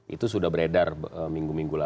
itu sudah beredar minggu minggu lalu